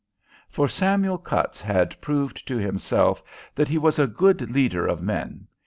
For Samuel Cutts had proved to himself that he was a good leader of men.